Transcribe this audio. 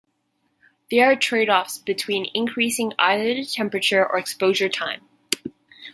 There are trade-offs between increasing either the temperature or exposure time.